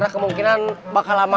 karena kemungkinan bakal lama